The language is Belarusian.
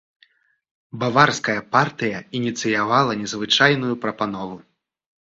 Баварская партыя ініцыявала незвычайную прапанову.